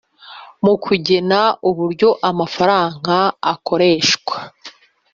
mu kugena uburyo amafaranga akoreshwa